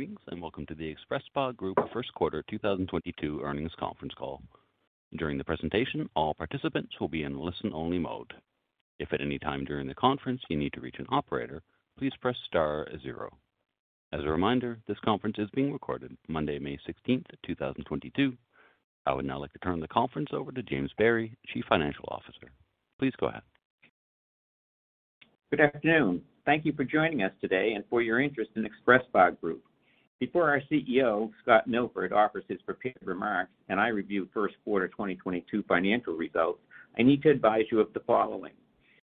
Greetings, and welcome to the XpresSpa Group Q1 2022 Earnings Conference Call. During the presentation, all participants will be in listen-only mode. If at any time during the conference you need to reach an operator, please press star zero. As a reminder, this conference is being recorded Monday, May 16, 2022. I would now like to turn the conference over to James Berry, Chief Financial Officer. Please go ahead. Good afternoon. Thank you for joining us today and for your interest in XpresSpa Group. Before our CEO, Scott Milford, offers his prepared remarks and I review Q1 2022 financial results, I need to advise you of the following.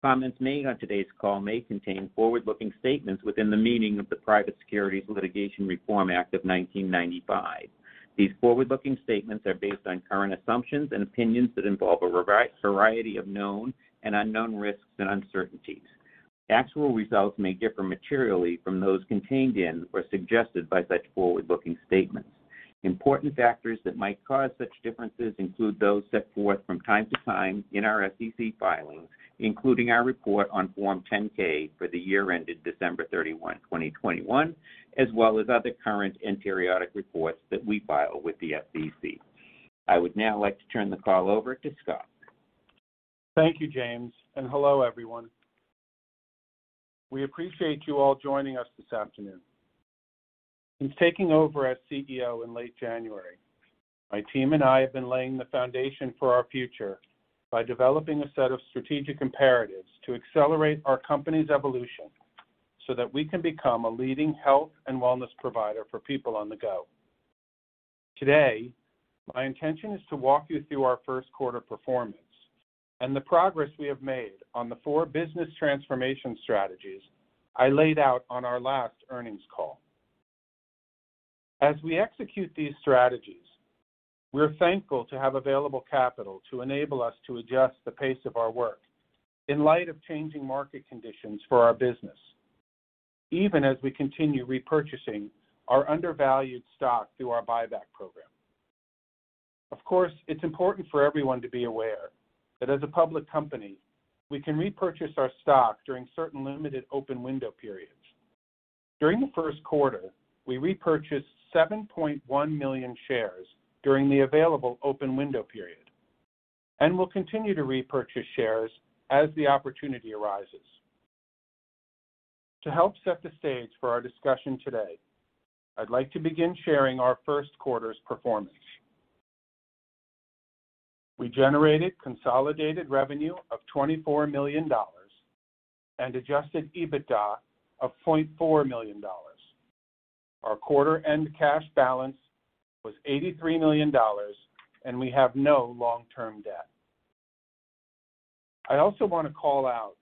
Comments made on today's call may contain forward-looking statements within the meaning of the Private Securities Litigation Reform Act of 1995. These forward-looking statements are based on current assumptions and opinions that involve a variety of known and unknown risks and uncertainties. Actual results may differ materially from those contained in or suggested by such forward-looking statements. Important factors that might cause such differences include those set forth from time to time in our SEC filings, including our report on Form 10-K for the year ended December 31, 2021, as well as other current and periodic reports that we file with the SEC. I would now like to turn the call over to Scott. Thank you, James, and hello, everyone. We appreciate you all joining us this afternoon. Since taking over as CEO in late January, my team and I have been laying the foundation for our future by developing a set of strategic imperatives to accelerate our company's evolution so that we can become a leading health and wellness provider for people on the go. Today, my intention is to walk you through our Q1 performance and the progress we have made on the four business transformation strategies I laid out on our last earnings call. As we execute these strategies, we're thankful to have available capital to enable us to adjust the pace of our work in light of changing market conditions for our business, even as we continue repurchasing our undervalued stock through our buyback program. Of course, it's important for everyone to be aware that as a public company, we can repurchase our stock during certain limited open window periods. During the Q1, we repurchased 7.1 million shares during the available open window period, and will continue to repurchase shares as the opportunity arises. To help set the stage for our discussion today, I'd like to begin sharing our Q1 performance. We generated consolidated revenue of $24 million and adjusted EBITDA of $0.4 million. Our quarter-end cash balance was $83 million, and we have no long-term debt. I also want to call out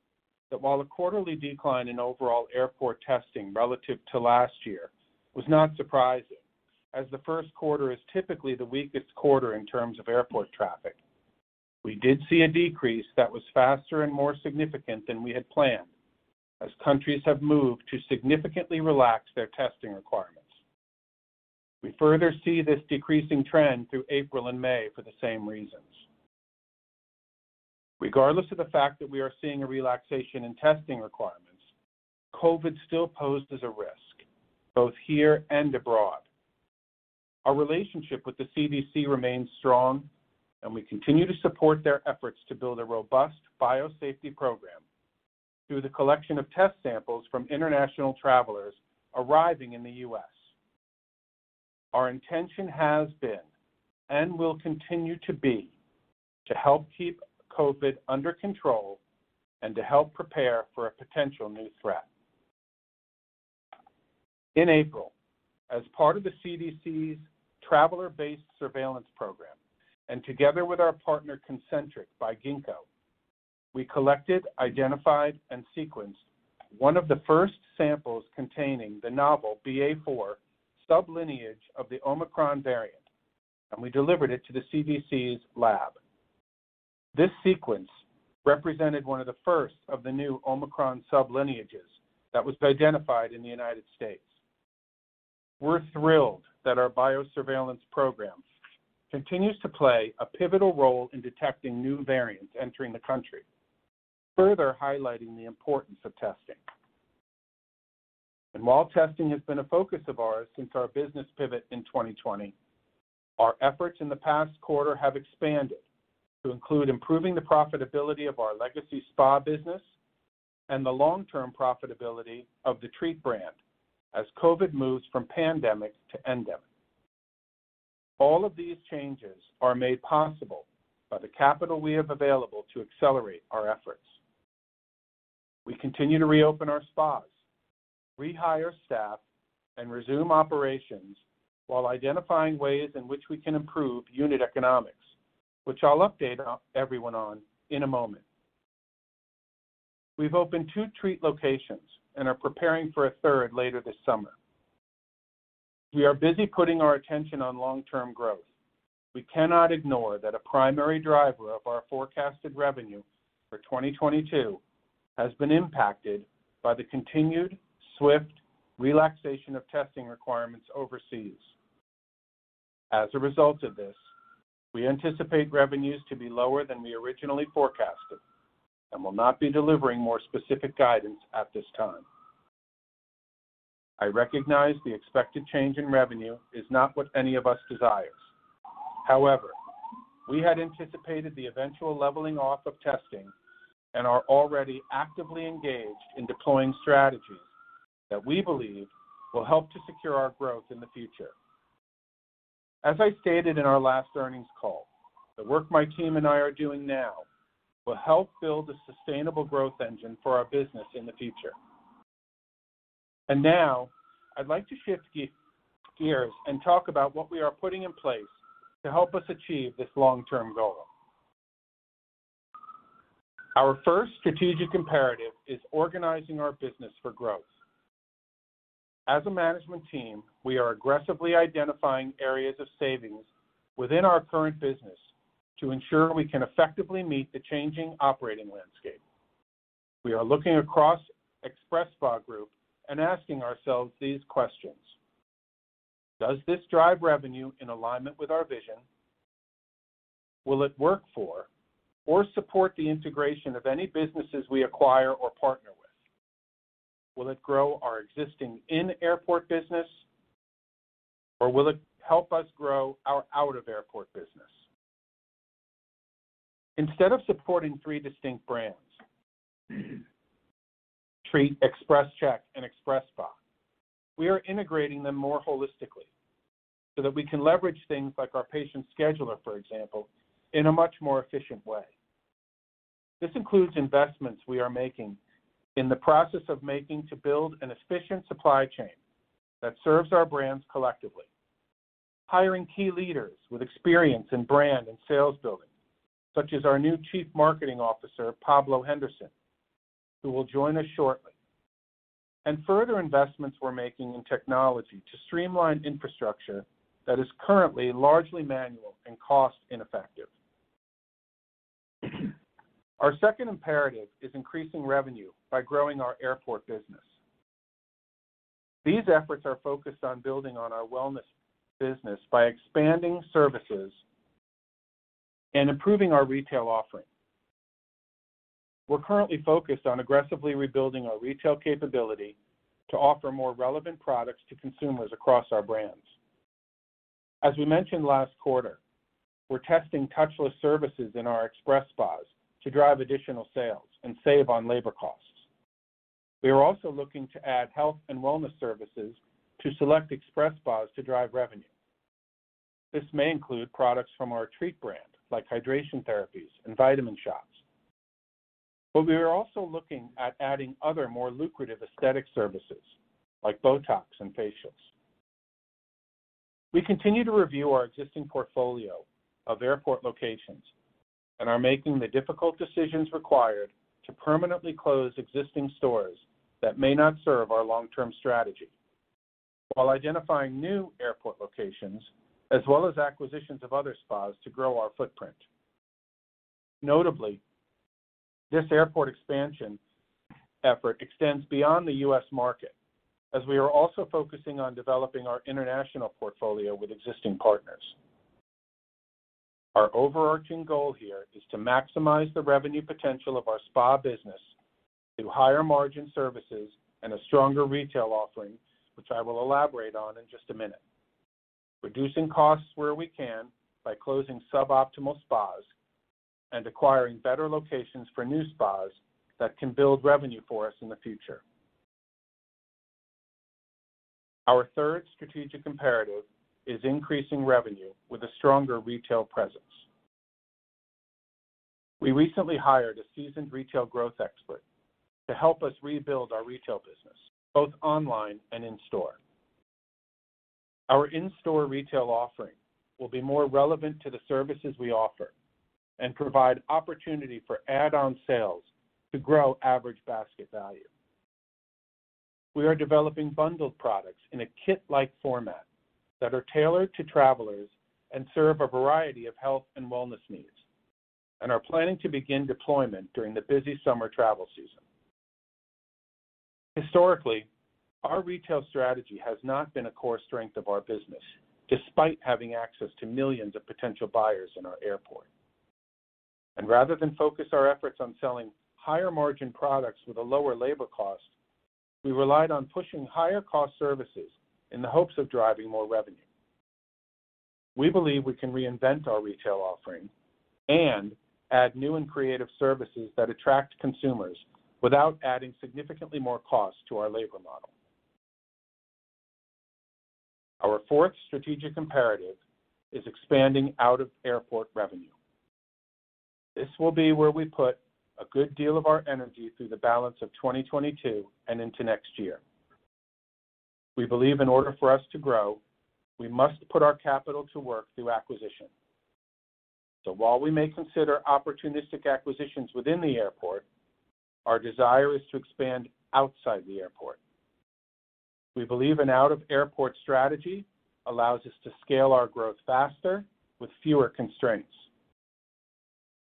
that while a quarterly decline in overall airport testing relative to last year was not surprising, as the Q1 is typically the weakest quarter in terms of airport traffic, we did see a decrease that was faster and more significant than we had planned as countries have moved to significantly relax their testing requirements. We further see this decreasing trend through April and May for the same reasons. Regardless of the fact that we are seeing a relaxation in testing requirements, COVID-19 still poses a risk, both here and abroad. Our relationship with the CDC remains strong, and we continue to support their efforts to build a robust biosafety program through the collection of test samples from international travelers arriving in the U.S. Our intention has been, and will continue to be, to help keep COVID under control and to help prepare for a potential new threat. In April, as part of the CDC's traveler-based surveillance program, and together with our partner Concentric by Ginkgo, we collected, identified, and sequenced one of the first samples containing the novel BA.4 sublineage of the Omicron variant, and we delivered it to the CDC's lab. This sequence represented one of the first of the new Omicron sublineages that was identified in the United States. We're thrilled that our biosurveillance program continues to play a pivotal role in detecting new variants entering the country, further highlighting the importance of testing. While testing has been a focus of ours since our business pivot in 2020, our efforts in the past quarter have expanded to include improving the profitability of our legacy spa business and the long-term profitability of the Treat brand as COVID moves from pandemic to endemic. All of these changes are made possible by the capital we have available to accelerate our efforts. We continue to reopen our spas, rehire staff, and resume operations while identifying ways in which we can improve unit economics, which I'll update everyone on in a moment. We've opened two Treat locations and are preparing for a third later this summer. We are busy putting our attention on long-term growth. We cannot ignore that a primary driver of our forecasted revenue for 2022 has been impacted by the continued swift relaxation of testing requirements overseas. As a result of this, we anticipate revenues to be lower than we originally forecasted and will not be delivering more specific guidance at this time. I recognize the expected change in revenue is not what any of us desires. However, we had anticipated the eventual leveling off of testing and are already actively engaged in deploying strategies that we believe will help to secure our growth in the future. As I stated in our last earnings call, the work my team and I are doing now will help build a sustainable growth engine for our business in the future. Now I'd like to shift gears and talk about what we are putting in place to help us achieve this long-term goal. Our first strategic imperative is organizing our business for growth. As a management team, we are aggressively identifying areas of savings within our current business to ensure we can effectively meet the changing operating landscape. We are looking across XpresSpa Group and asking ourselves these questions: Does this drive revenue in alignment with our vision? Will it work for or support the integration of any businesses we acquire or partner with? Will it grow our existing in-airport business? Or will it help us grow our out-of-airport business? Instead of supporting three distinct brands, Treat, XpresCheck and XpresSpa, we are integrating them more holistically so that we can leverage things like our patient scheduler, for example, in a much more efficient way. This includes investments we are making, in the process of making to build an efficient supply chain that serves our brands collectively. Hiring key leaders with experience in brand and sales building, such as our new Chief Marketing Officer, Pablo Henderson, who will join us shortly. Further investments we're making in technology to streamline infrastructure that is currently largely manual and cost ineffective. Our second imperative is increasing revenue by growing our airport business. These efforts are focused on building on our wellness business by expanding services and improving our retail offering. We're currently focused on aggressively rebuilding our retail capability to offer more relevant products to consumers across our brands. As we mentioned last quarter, we're testing touchless services in our XpresSpas to drive additional sales and save on labor costs. We are also looking to add health and wellness services to select XpresSpas to drive revenue. This may include products from our Treat brand, like hydration therapies and vitamin shops. We are also looking at adding other more lucrative aesthetic services like Botox and facials. We continue to review our existing portfolio of airport locations and are making the difficult decisions required to permanently close existing stores that may not serve our long-term strategy, while identifying new airport locations as well as acquisitions of other spas to grow our footprint. Notably, this airport expansion effort extends beyond the U.S. market as we are also focusing on developing our international portfolio with existing partners. Our overarching goal here is to maximize the revenue potential of our spa business through higher margin services and a stronger retail offering, which I will elaborate on in just a minute. Reducing costs where we can by closing suboptimal spas and acquiring better locations for new spas that can build revenue for us in the future. Our third strategic imperative is increasing revenue with a stronger retail presence. We recently hired a seasoned retail growth expert to help us rebuild our retail business, both online and in store. Our in-store retail offering will be more relevant to the services we offer and provide opportunity for add-on sales to grow average basket value. We are developing bundled products in a kit-like format that are tailored to travelers and serve a variety of health and wellness needs, and are planning to begin deployment during the busy summer travel season. Historically, our retail strategy has not been a core strength of our business, despite having access to millions of potential buyers in our airport. Rather than focus our efforts on selling higher margin products with a lower labor cost, we relied on pushing higher cost services in the hopes of driving more revenue. We believe we can reinvent our retail offering and add new and creative services that attract consumers without adding significantly more cost to our labor model. Our fourth strategic imperative is expanding out-of-airport revenue. This will be where we put a good deal of our energy through the balance of 2022 and into next year. We believe in order for us to grow, we must put our capital to work through acquisition. While we may consider opportunistic acquisitions within the airport, our desire is to expand outside the airport. We believe an out-of-airport strategy allows us to scale our growth faster with fewer constraints.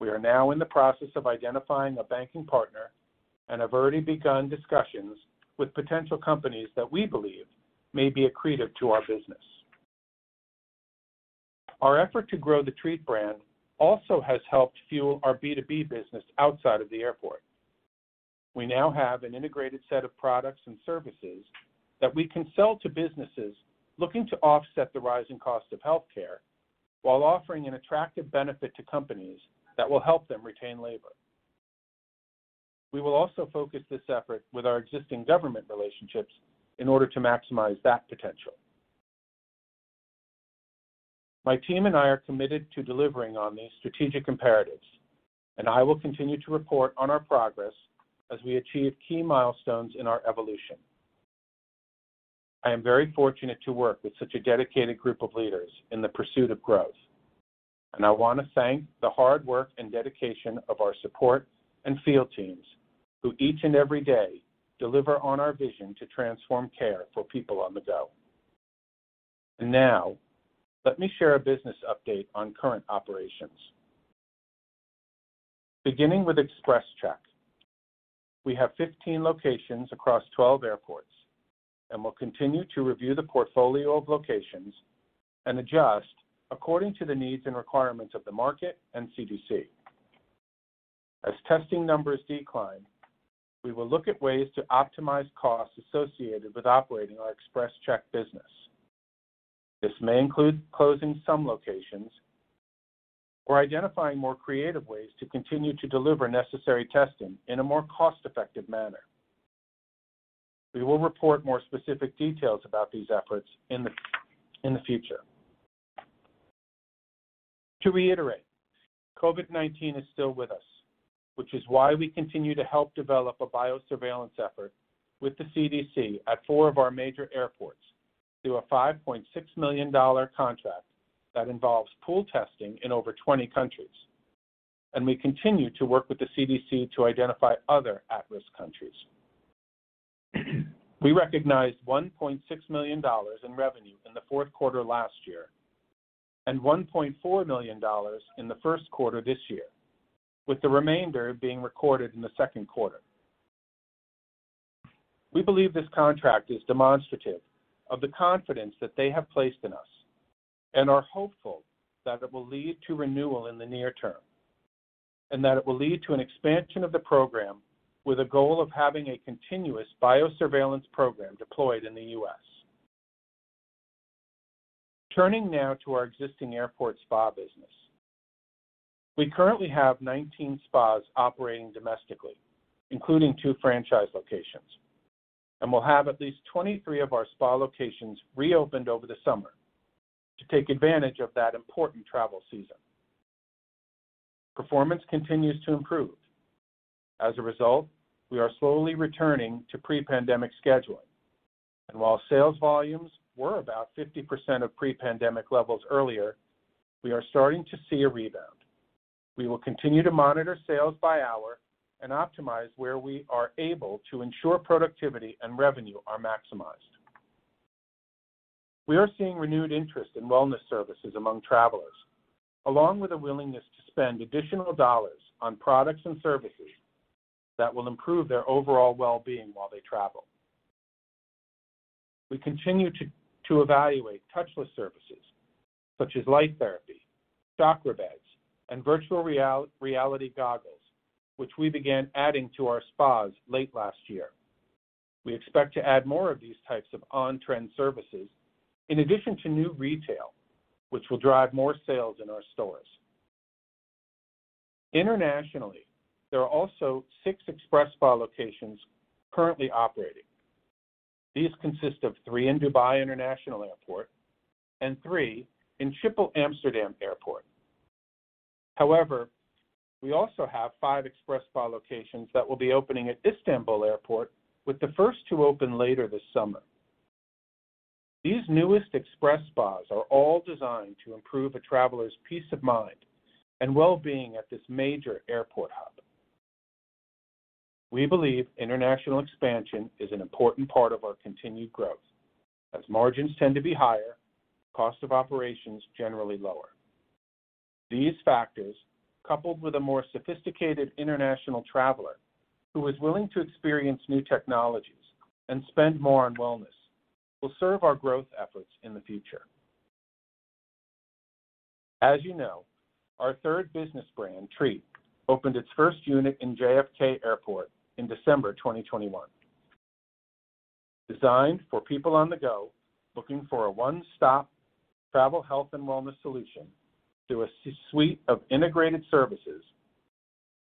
We are now in the process of identifying a banking partner and have already begun discussions with potential companies that we believe may be accretive to our business. Our effort to grow the Treat brand also has helped fuel our B2B business outside of the airport. We now have an integrated set of products and services that we can sell to businesses looking to offset the rising cost of healthcare while offering an attractive benefit to companies that will help them retain labor. We will also focus this effort with our existing government relationships in order to maximize that potential. My team and I are committed to delivering on these strategic imperatives, and I will continue to report on our progress as we achieve key milestones in our evolution. I am very fortunate to work with such a dedicated group of leaders in the pursuit of growth, and I want to thank the hard work and dedication of our support and field teams who each and every day deliver on our vision to transform care for people on the go. Now, let me share a business update on current operations. Beginning with XpresCheck, we have 15 locations across 12 airports and will continue to review the portfolio of locations and adjust according to the needs and requirements of the market and CDC. As testing numbers decline, we will look at ways to optimize costs associated with operating our XpresCheck business. This may include closing some locations or identifying more creative ways to continue to deliver necessary testing in a more cost-effective manner. We will report more specific details about these efforts in the future. To reiterate, COVID-19 is still with us, which is why we continue to help develop a biosurveillance effort with the CDC at four of our major airports through a $5.6 million contract that involves pool testing in over 20 countries, and we continue to work with the CDC to identify other at-risk countries. We recognized $1.6 million in revenue in the Q4 last year and $1.4 million in the Q1 this year, with the remainder being recorded in the Q2. We believe this contract is demonstrative of the confidence that they have placed in us and are hopeful that it will lead to renewal in the near term, and that it will lead to an expansion of the program with a goal of having a continuous biosurveillance program deployed in the U.S. Turning now to our existing airport spa business. We currently have 19 spas operating domestically, including 2 franchise locations, and will have at least 23 of our spa locations reopened over the summer to take advantage of that important travel season. Performance continues to improve. As a result, we are slowly returning to pre-pandemic scheduling. While sales volumes were about 50% of pre-pandemic levels earlier, we are starting to see a rebound. We will continue to monitor sales by hour and optimize where we are able to ensure productivity and revenue are maximized. We are seeing renewed interest in wellness services among travelers, along with a willingness to spend additional dollars on products and services that will improve their overall well-being while they travel. We continue to evaluate touchless services such as light therapy, Crystal Beds, and virtual reality goggles, which we began adding to our spas late last year. We expect to add more of these types of on-trend services in addition to new retail, which will drive more sales in our stores. Internationally, there are also six XpresSpa locations currently operating. These consist of three in Dubai International Airport and three in Schiphol Amsterdam Airport. However, we also have five XpresSpa locations that will be opening at Istanbul Airport, with the first two open later this summer. These newest XpresSpas are all designed to improve a traveler's peace of mind and well-being at this major airport hub. We believe international expansion is an important part of our continued growth as margins tend to be higher, cost of operations generally lower. These factors, coupled with a more sophisticated international traveler who is willing to experience new technologies and spend more on wellness, will serve our growth efforts in the future. As you know, our third business brand, Treat, opened its first unit in JFK Airport in December 2021. Designed for people on the go looking for a one-stop travel health and wellness solution through a suite of integrated services,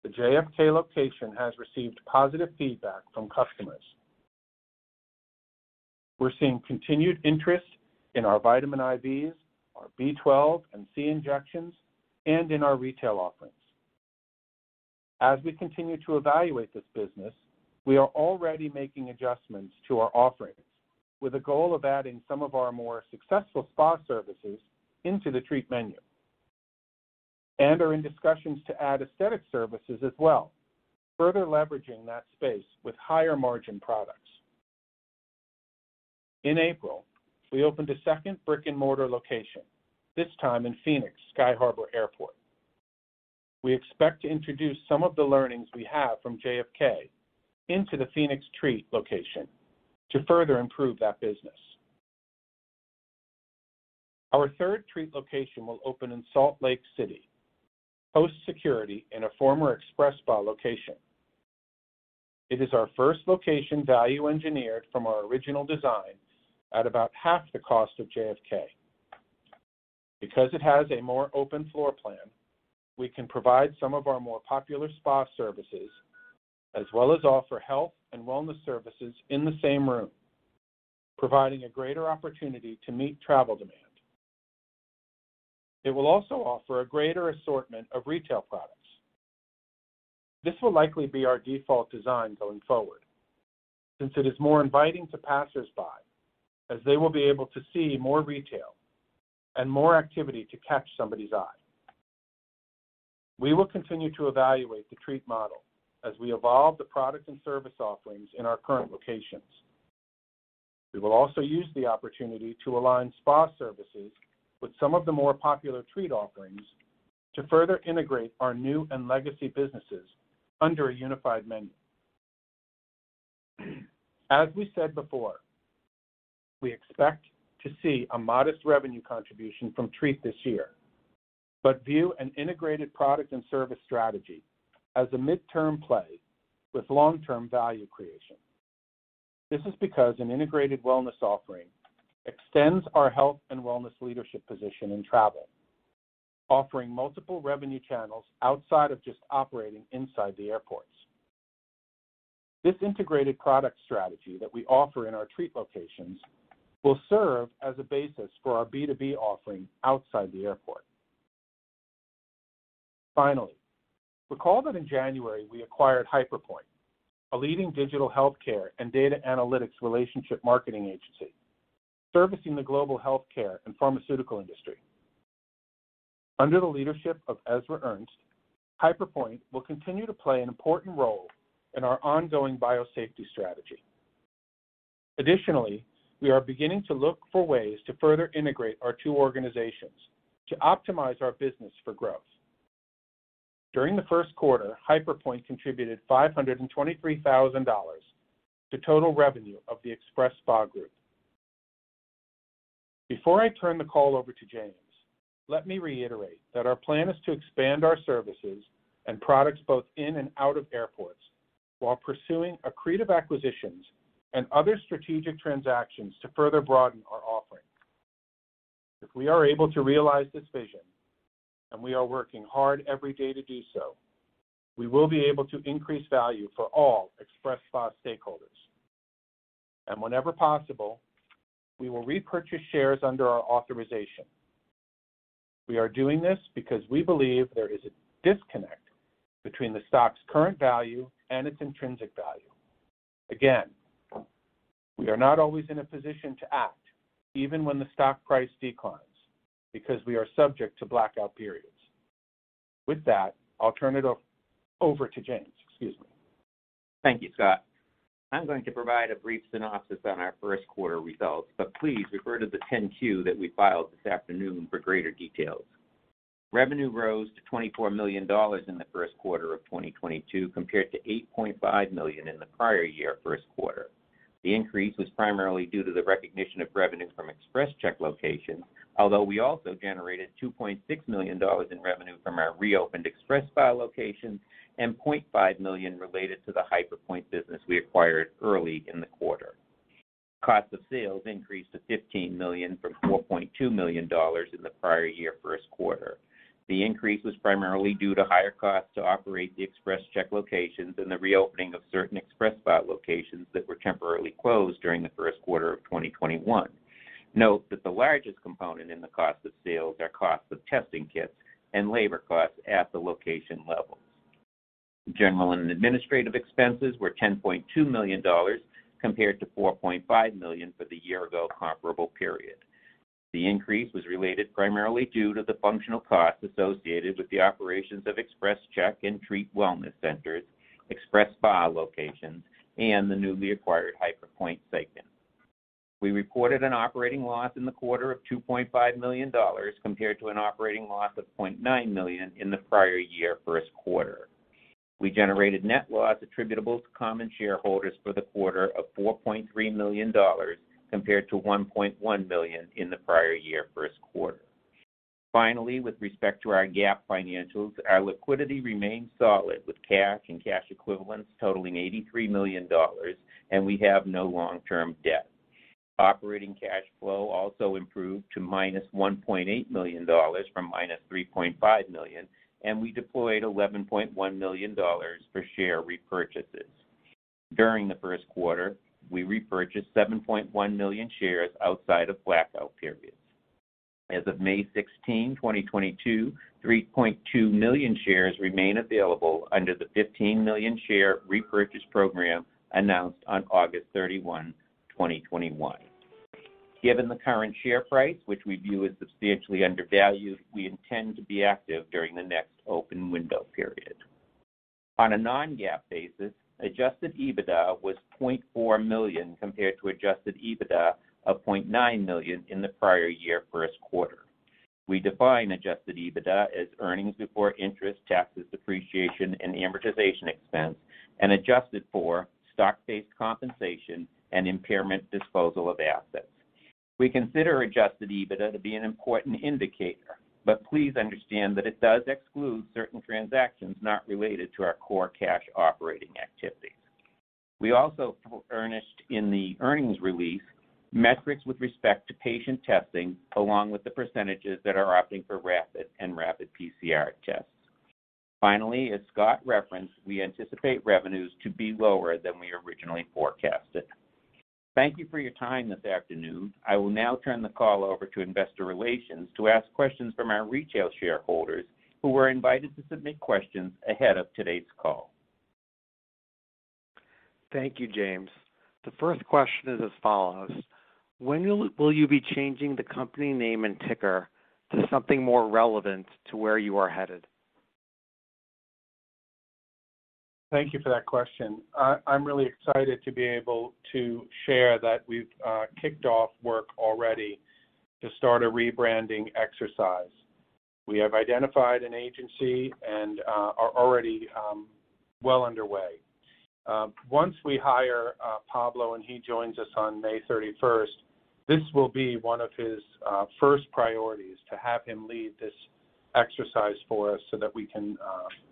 the JFK location has received positive feedback from customers. We're seeing continued interest in our vitamin IVs, our B12 and C injections, and in our retail offerings. As we continue to evaluate this business, we are already making adjustments to our offerings with a goal of adding some of our more successful spa services into the Treat menu and are in discussions to add aesthetic services as well, further leveraging that space with higher-margin products. In April, we opened a second brick-and-mortar location, this time in Phoenix Sky Harbor Airport. We expect to introduce some of the learnings we have from JFK into the Phoenix Treat location to further improve that business. Our third Treat location will open in Salt Lake City, post-security in a former XpresSpa location. It is our first location value-engineered from our original design at about half the cost of JFK. Because it has a more open floor plan, we can provide some of our more popular spa services as well as offer health and wellness services in the same room, providing a greater opportunity to meet travel demand. It will also offer a greater assortment of retail products. This will likely be our default design going forward, since it is more inviting to passersby as they will be able to see more retail and more activity to catch somebody's eye. We will continue to evaluate the Treat model as we evolve the product and service offerings in our current locations. We will also use the opportunity to align spa services with some of the more popular Treat offerings to further integrate our new and legacy businesses under a unified menu. As we said before, we expect to see a modest revenue contribution from Treat this year, but view an integrated product and service strategy as a midterm play with long-term value creation. This is because an integrated wellness offering extends our health and wellness leadership position in travel, offering multiple revenue channels outside of just operating inside the airports. This integrated product strategy that we offer in our Treat locations will serve as a basis for our B2B offering outside the airport. Finally, recall that in January we acquired HyperPointe, a leading digital healthcare and data analytics relationship marketing agency servicing the global healthcare and pharmaceutical industry. Under the leadership of Ezra Ernst, HyperPointe will continue to play an important role in our ongoing biosafety strategy. Additionally, we are beginning to look for ways to further integrate our two organizations to optimize our business for growth. During the Q1, HyperPointe contributed $523,000 to total revenue of the XpresSpa Group. Before I turn the call over to James, let me reiterate that our plan is to expand our services and products both in and out of airports while pursuing accretive acquisitions and other strategic transactions to further broaden our offering. If we are able to realize this vision, and we are working hard every day to do so, we will be able to increase value for all XpresSpa stakeholders. Whenever possible, we will repurchase shares under our authorization. We are doing this because we believe there is a disconnect between the stock's current value and its intrinsic value. Again, we are not always in a position to act even when the stock price declines, because we are subject to blackout periods. With that, I'll turn it over to James. Excuse me. Thank you, Scott. I'm going to provide a brief synopsis on our Q1 results, but please refer to the Form 10-Q that we filed this afternoon for greater details. Revenue rose to $24 million in the Q1 of 2022, compared to $8.5 million in the prior year Q1. The increase was primarily due to the recognition of revenue from XpresCheck locations, although we also generated $2.6 million in revenue from our reopened XpresSpa locations and $0.5 million related to the HyperPointe business we acquired early in the quarter. Cost of sales increased to $15 million from $4.2 million in the prior year Q1. The increase was primarily due to higher costs to operate the XpresCheck locations and the reopening of certain XpresSpa locations that were temporarily closed during the Q1 of 2021. Note that the largest component in the cost of sales are cost of testing kits and labor costs at the location levels. General and administrative expenses were $10.2 million compared to $4.5 million for the year-ago comparable period. The increase was related primarily due to the functional costs associated with the operations of XpresCheck and Treat wellness centers, XpresSpa locations, and the newly acquired HyperPointe segment. We reported an operating loss in the quarter of $2.5 million compared to an operating loss of $0.9 million in the prior year Q1. We generated net loss attributable to common shareholders for the quarter of $4.3 million compared to $1.1 million in the prior year Q1. Finally, with respect to our GAAP financials, our liquidity remains solid with cash and cash equivalents totaling $83 million, and we have no long-term debt. Operating cash flow also improved to -$1.8 million from -$3.5 million, and we deployed $11.1 million for share repurchases. During the Q1, we repurchased 7.1 million shares outside of blackout periods. As of May 16, 2022, 3.2 million shares remain available under the 15 million share repurchase program announced on August 31, 2021. Given the current share price, which we view as substantially undervalued, we intend to be active during the next open window period. On a non-GAAP basis, adjusted EBITDA was $0.4 million compared to adjusted EBITDA of $0.9 million in the prior year Q1. We define adjusted EBITDA as earnings before interest, taxes, depreciation, and amortization expense and adjusted for stock-based compensation and impairment disposal of assets. We consider adjusted EBITDA to be an important indicator, but please understand that it does exclude certain transactions not related to our core cash operating activities. We also furnished in the earnings release metrics with respect to patient testing, along with the percentages that are opting for rapid and PCR tests. Finally, as Scott referenced, we anticipate revenues to be lower than we originally forecasted. Thank you for your time this afternoon. I will now turn the call over to investor relations to ask questions from our retail shareholders who were invited to submit questions ahead of today's call. Thank you, James. The first question is as follows: When will you be changing the company name and ticker to something more relevant to where you are headed? Thank you for that question. I'm really excited to be able to share that we've kicked off work already to start a rebranding exercise. We have identified an agency and are already well underway. Once we hire Pablo and he joins us on May 31st, this will be one of his first priorities, to have him lead this exercise for us so that we can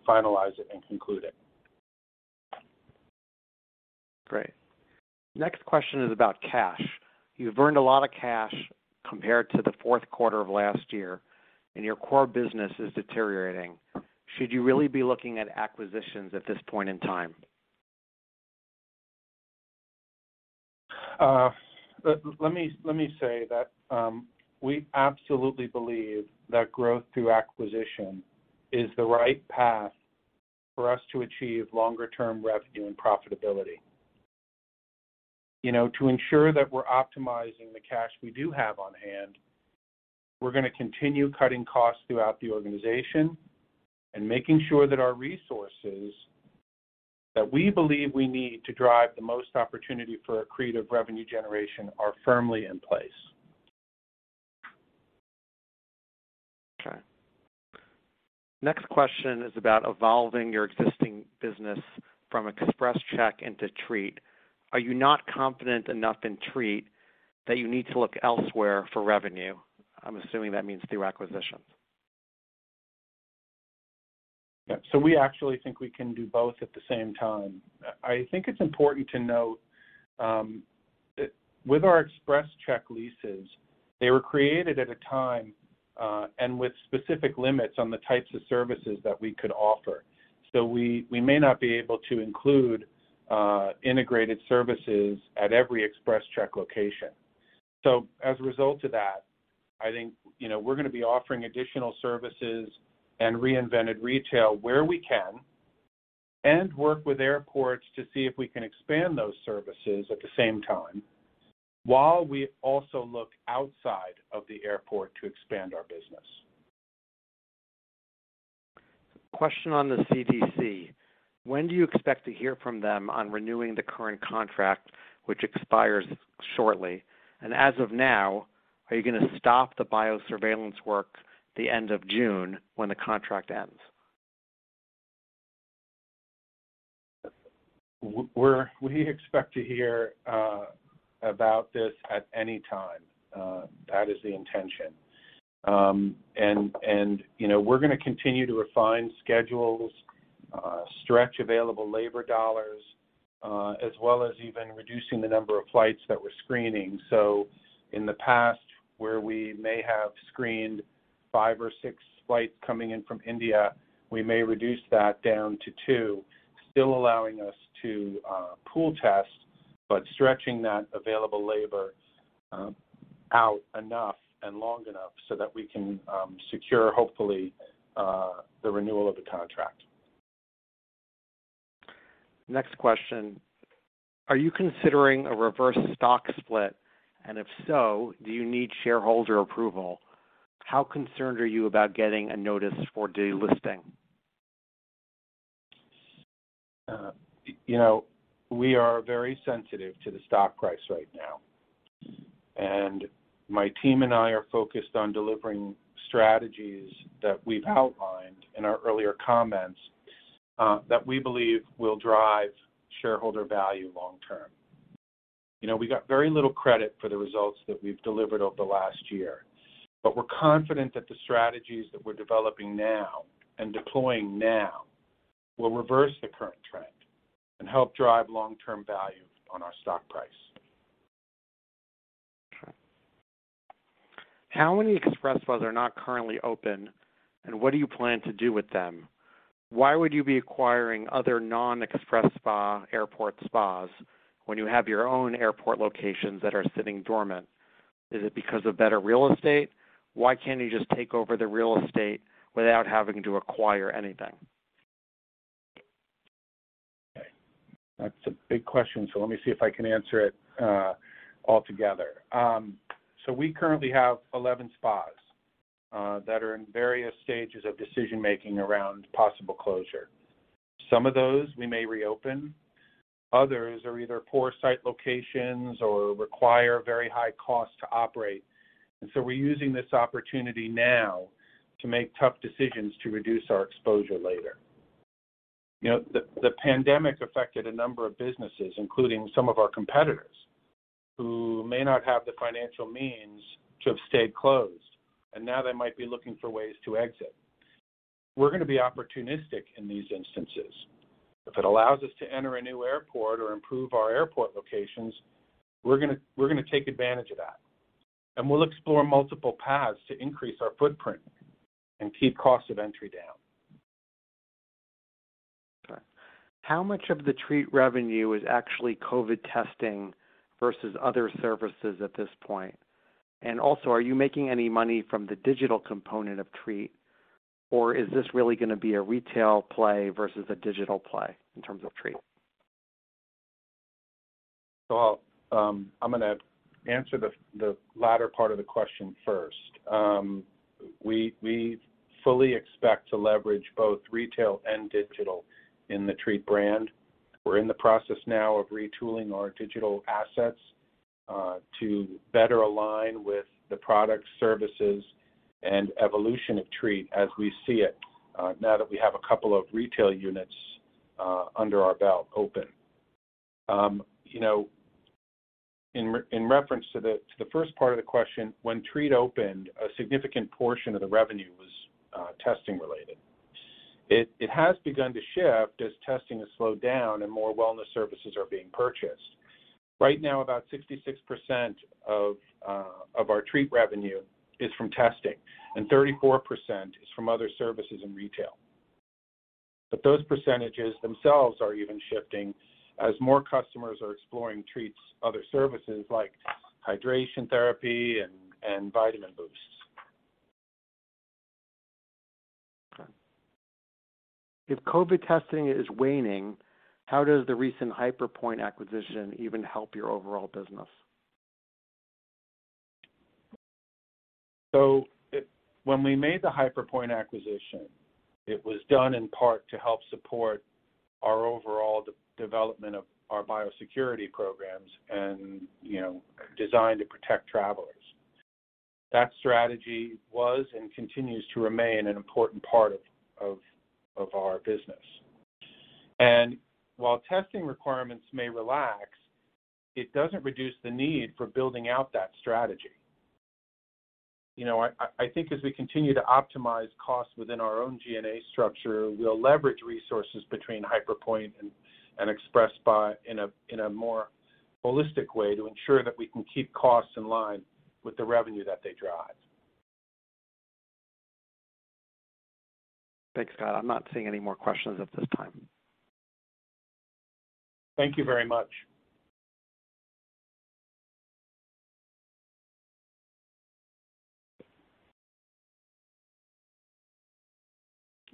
finalize it and conclude it. Great. Next question is about cash. You've earned a lot of cash compared to the Q4 of last year, and your core business is deteriorating. Should you really be looking at acquisitions at this point in time? Let me say that, we absolutely believe that growth through acquisition is the right path for us to achieve longer-term revenue and profitability. You know, to ensure that we're optimizing the cash we do have on hand, we're gonna continue cutting costs throughout the organization and making sure that our resources that we believe we need to drive the most opportunity for accretive revenue generation are firmly in place. Okay. Next question is about evolving your existing business from XpresCheck into Treat. Are you not confident enough in Treat that you need to look elsewhere for revenue? I'm assuming that means through acquisitions. Yeah. We actually think we can do both at the same time. I think it's important to note, that with our XpresCheck leases, they were created at a time, and with specific limits on the types of services that we could offer. We may not be able to include, integrated services at every XpresCheck location. As a result of that, I think, you know, we're gonna be offering additional services and reinvented retail where we can and work with airports to see if we can expand those services at the same time, while we also look outside of the airport to expand our business. Question on the CDC. When do you expect to hear from them on renewing the current contract, which expires shortly? As of now, are you gonna stop the biosurveillance work the end of June when the contract ends? We expect to hear about this at any time. That is the intention. And, you know, we're gonna continue to refine schedules, stretch available labor dollars, as well as even reducing the number of flights that we're screening. In the past, where we may have screened 5 or 6 flights coming in from India, we may reduce that down to 2, still allowing us to pool tests, but stretching that available labor out enough and long enough so that we can secure, hopefully, the renewal of the contract. Next question. Are you considering a reverse stock split? If so, do you need shareholder approval? How concerned are you about getting a notice for delisting? You know, we are very sensitive to the stock price right now, and my team and I are focused on delivering strategies that we've outlined in our earlier comments, that we believe will drive shareholder value long term. You know, we got very little credit for the results that we've delivered over the last year, but we're confident that the strategies that we're developing now and deploying now will reverse the current trend and help drive long-term value on our stock price. How many XpresSpas are not currently open, and what do you plan to do with them? Why would you be acquiring other non-XpresSpa airport spas when you have your own airport locations that are sitting dormant? Is it because of better real estate? Why can't you just take over the real estate without having to acquire anything? That's a big question, so let me see if I can answer it all together. We currently have 11 spas that are in various stages of decision-making around possible closure. Some of those we may reopen, others are either poor site locations or require very high cost to operate. We're using this opportunity now to make tough decisions to reduce our exposure later. You know, the pandemic affected a number of businesses, including some of our competitors, who may not have the financial means to have stayed closed, and now they might be looking for ways to exit. We're gonna be opportunistic in these instances. If it allows us to enter a new airport or improve our airport locations, we're gonna take advantage of that. We'll explore multiple paths to increase our footprint and keep cost of entry down. Okay. How much of the Treat revenue is actually COVID testing versus other services at this point? Also, are you making any money from the digital component of Treat, or is this really gonna be a retail play versus a digital play in terms of Treat? I'm gonna answer the latter part of the question first. We fully expect to leverage both retail and digital in the Treat brand. We're in the process now of retooling our digital assets to better align with the product, services, and evolution of Treat as we see it now that we have a couple of retail units under our belt open. You know, in reference to the first part of the question, when Treat opened, a significant portion of the revenue was testing related. It has begun to shift as testing has slowed down and more wellness services are being purchased. Right now, about 66% of our Treat revenue is from testing, and 34% is from other services and retail. Those percentages themselves are even shifting as more customers are exploring Treat's other services like hydration therapy and vitamin boosts. Okay. If COVID testing is waning, how does the recent HyperPointe acquisition even help your overall business? When we made the HyperPointe acquisition, it was done in part to help support our overall development of our biosecurity programs and, you know, designed to protect travelers. That strategy was and continues to remain an important part of our business. While testing requirements may relax, it doesn't reduce the need for building out that strategy. You know, I think as we continue to optimize costs within our own G&A structure, we'll leverage resources between HyperPointe and XpresSpa in a more holistic way to ensure that we can keep costs in line with the revenue that they drive. Thanks, Scott. I'm not seeing any more questions at this time. Thank you very much.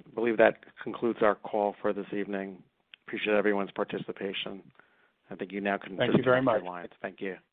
I believe that concludes our call for this evening. Appreciate everyone's participation. I think you now can- Thank you very much. Disconnect your lines. Thank you.